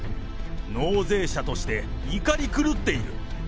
納税者として怒り狂っている。